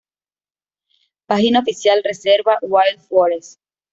Página oficial Reserva Wild Forest